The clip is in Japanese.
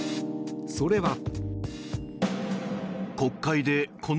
それは。